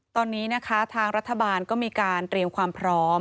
ตอนนี้นะคะทางรัฐบาลก็มีการเตรียมความพร้อม